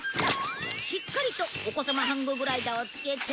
しっかりとお子さまハンググライダーを着けて。